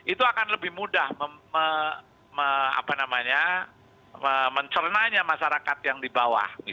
itu akan lebih mudah mencernanya masyarakat yang di bawah